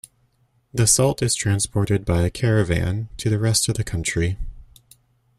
The salt is transported by caravan to the rest of the country.